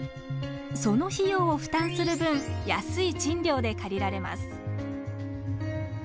その費用を負担する分安い賃料で借りられます。